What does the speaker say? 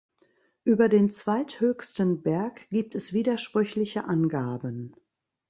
Über den zweithöchsten Berg gibt es widersprüchliche Angaben.